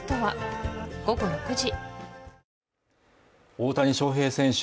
大谷翔平選手